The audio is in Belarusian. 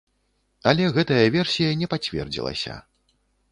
Але гэтая версія не пацвердзілася.